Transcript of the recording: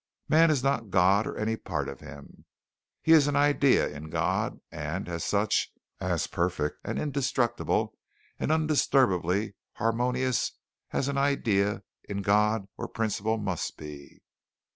Man is not God or any part of Him. He is an idea in God, and, as such, as perfect and indestructible and undisturbably harmonious as an idea in God or principle must be.